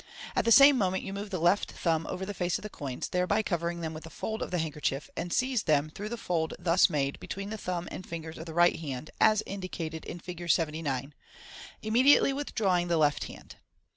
At the same moment you move the left thumb over the face of the coins, thereby covering them with a fold of the handkerchief, and seize them, through the fold thus made, between the thumb and fingers of the right hand, as indicated in Fig. 79, immediately withdrawing the left hand.